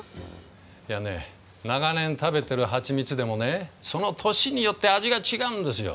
いやね長年食べてるはちみつでもねその年によって味が違うんですよ。